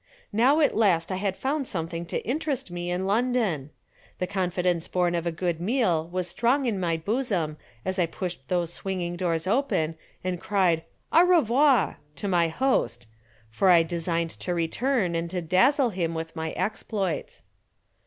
Now at last I had found something to interest me in London. The confidence born of a good meal was strong in my bosom as I pushed those swinging doors open and cried "Au revoir," to my host, for I designed to return and to dazzle him with my exploits.